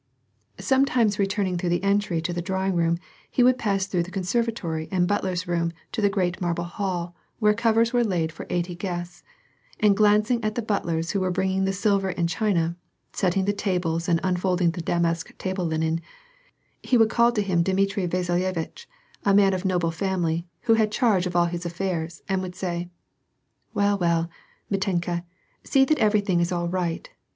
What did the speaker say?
Sometimes returning through the entry to the drawing room, he would pass through the conservatory and butlei 's room to the great marble hall where covers were laid for eighty guests, and glancing at the butlers who were bringing the silver and china, setting the tables and unfolding the damask table linen, he would call to him Dimitri Vasilye vitch, a man of noble family, who had charge of all his affairs, and would say, — "Well, well, Mitenka, see that everything is all right.